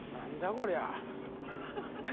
こりゃ。